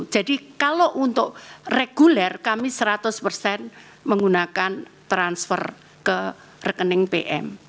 jadi kalau untuk reguler kami seratus persen menggunakan transfer ke rekening pm